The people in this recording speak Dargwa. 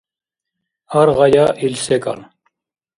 Аргъая ил секӀал.